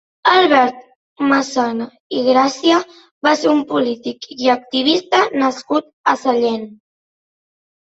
Albert Massana i Gràcia va ser un polític i activista nascut a Sallent.